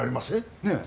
ねえ。